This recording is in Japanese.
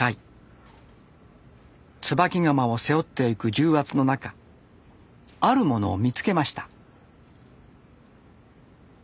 椿窯を背負っていく重圧の中あるものを見つけました。